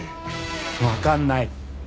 わかんない。